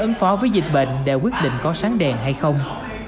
ứng phó với dịch bệnh để quyết định có sáng đèn hay không